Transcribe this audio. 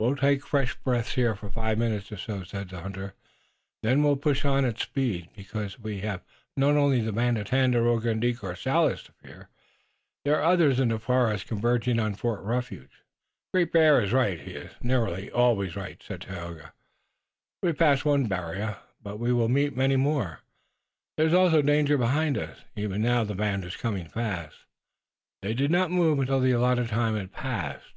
"We'll take fresh breath here for five minutes or so," said the hunter, "and then we'll push on at speed, because we have not only the band of Tandakora and De Courcelles to fear. There are others in the forest converging on Fort Refuge." "Great Bear is right. He is nearly always right," said Tayoga. "We have passed one barrier, but we will meet many more. There is also danger behind us. Even now the band is coming fast." They did not move until the allotted time had passed.